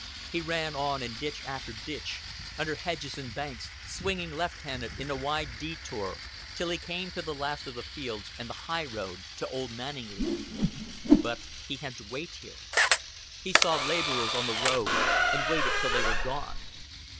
He ran on, in ditch after ditch, under hedges and banks, swinging left handed in a wide detour till he came to the last of the fields and the highroad to Old Manninglea. But he had to wait here. He saw laborers on the road, and waited till they were gone.